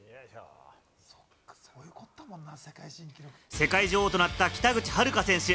世界女王となった北口榛花選手。